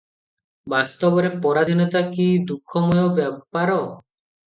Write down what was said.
ବାସ୍ତବରେ ପରାଧୀନତା କି ଦୁଃଖମୟ ବ୍ୟାପାର ।